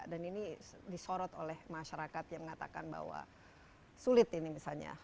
dan ini disorot oleh masyarakat yang mengatakan bahwa sulit ini misalnya